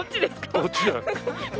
こっちじゃない？